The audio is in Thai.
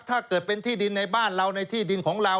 ถ้าเกิดเป็นที่ดินในบ้านเราในที่ดินของเรา